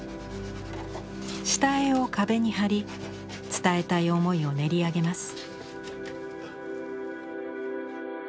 下絵を壁に貼り伝えたい思いを練り上げます。